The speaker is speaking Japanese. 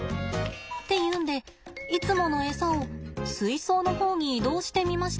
っていうんでいつものエサを水槽の方に移動してみました。